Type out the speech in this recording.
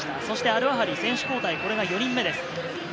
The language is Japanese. そしてアルアハリ選手交代、これが４人目です。